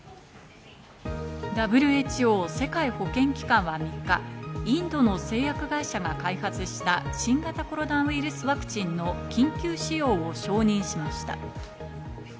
ＷＨＯ＝世界保健機関は３日、インドの製薬会社が開発した新型コロナウイルスワクチンの緊急使用を承認しました。